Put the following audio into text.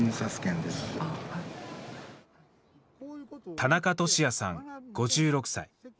田中俊也さん、５６歳。